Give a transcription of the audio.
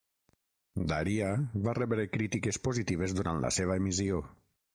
"Daria" va rebre crítiques positives durant la seva emissió.